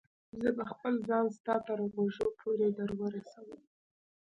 زه به خپل ځان ستا تر غوږو پورې در ورسوم.